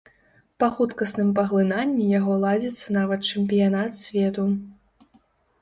Па хуткасным паглынанні яго ладзіцца нават чэмпіянат свету.